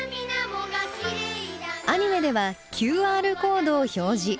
アニメではＱＲコードを表示。